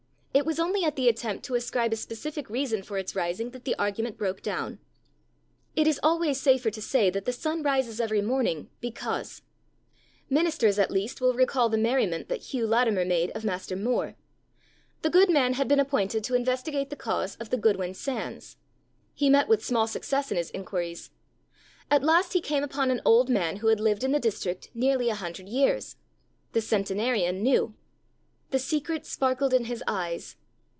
It was only at the attempt to ascribe a specific reason for its rising that the argument broke down. It is always safer to say that the sun rises every morning because. Ministers at least will recall the merriment that Hugh Latimer made of Master More. The good man had been appointed to investigate the cause of the Goodwin Sands. He met with small success in his inquiries. At last he came upon an old man who had lived in the district nearly a hundred years. The centenarian knew. The secret sparkled in his eyes.